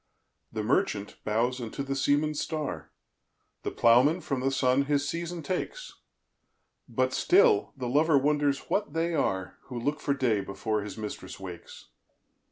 The Merchant bowes unto the Seamans Star, The Ploughman from the Sun his Season takes; But still the Lover wonders what they are, Who look for day before his Mistress wakes.